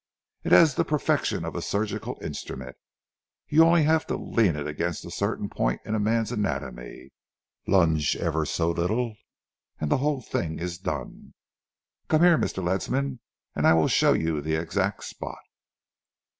It has the perfection of a surgical instrument. You have only to lean it against a certain point in a man's anatomy, lunge ever so little and the whole thing is done. Come here, Mr. Ledsam, and I will show you the exact spot."